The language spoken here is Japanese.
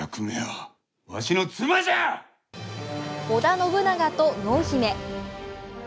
織田信長と濃姫。